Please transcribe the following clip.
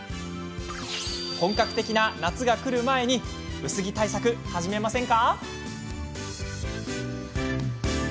本格的な夏がくる前に薄着対策、始めませんか。